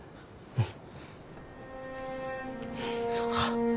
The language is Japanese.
うん！